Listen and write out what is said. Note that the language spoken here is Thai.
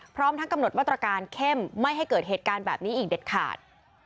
พร้อมทั้งกำหนดมาตรการเข้มไม่ให้เกิดเหตุการณ์แบบนี้อีกเด็ดขาด